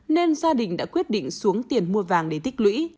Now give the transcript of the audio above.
nên gia đình đã quyết định xuống tiền mua vàng để tích lũy